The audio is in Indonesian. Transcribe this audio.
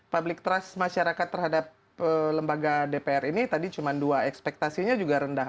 public trust masyarakat terhadap lembaga dpr ini tadi cuma dua ekspektasinya juga rendah